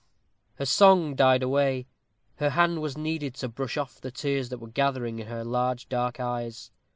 Her song died away. Her hand was needed to brush off the tears that were gathering in her large dark eyes.